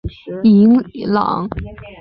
伊朗空军。